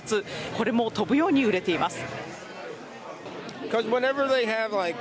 これも飛ぶように売れています。